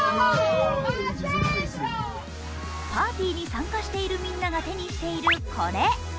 パーティーに参加しているみんなが手にしているこれ。